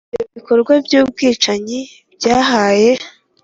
ibyo bikorwa by'ubwicanyi byahaye